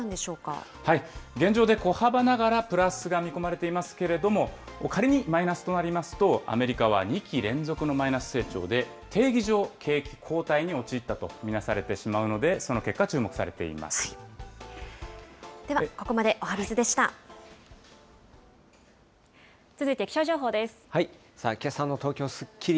現状で小幅ながらプラスが見込まれていますけれども、仮にマイナスとなりますと、アメリカは２期連続のマイナス成長で、定義上、景気後退に陥ったと見なされてしまうのでその結果、注目されていではここまでおはＢｉｚでし続いて気象情報です。